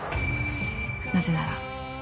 なぜなら